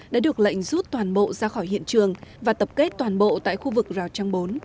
đã được lệnh rút toàn bộ ra khỏi hiện trường và tập kết toàn bộ tại khu vực rào trăng bốn